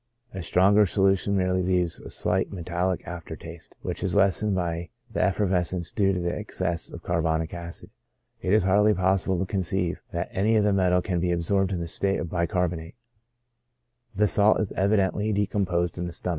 A stronger solution merely leaves a very slight metallic after taste, which is lessened by the effervescence due to the excess of carbonic acid. It is hardly possible to conceive that any of the metal can be absorbed in the state of bicarbonate j this salt is evidently decomposed in the stomach.